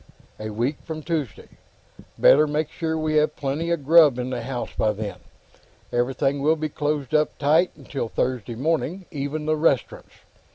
A week from Tuesday. Better make sure we have plenty of grub in the house by then. Everything will be closed up tight till Thursday morning; even the restaurants.